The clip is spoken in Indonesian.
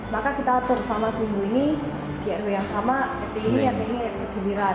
maka kita atur sama suhu ini di rw yang sama rt ini rt ini rt giliran